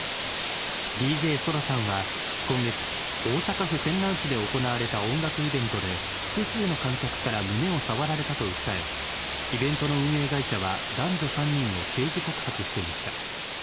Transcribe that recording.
ＤＪＳＯＤＡさんは今月、大阪府泉南市で行われた音楽イベントで、複数の観客から胸を触られたと訴え、イベントの運営会社は、男女３人を刑事告発していました。